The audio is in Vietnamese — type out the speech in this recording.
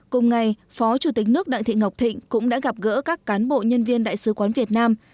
cùng ngày phó chủ tịch nước đặng thị ngọc thịnh cũng đã gặp gỡ các cán bộ nhân viên đại sứ quán việt nam